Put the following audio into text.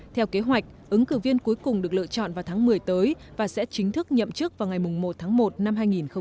theo kế hoạch ứng cử viên cuối cùng được lựa chọn vào tháng một mươi tới và sẽ chính thức nhậm chức vào ngày một tháng một năm hai nghìn hai mươi